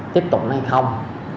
tiếp tục hay không